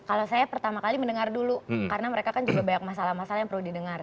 kalau saya pertama kali mendengar dulu karena mereka kan juga banyak masalah masalah yang perlu didengar